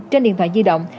trên điện thoại di động